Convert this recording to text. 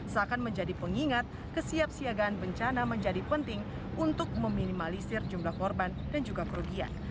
seakan menjadi pengingat kesiapsiagaan bencana menjadi penting untuk meminimalisir jumlah korban dan juga kerugian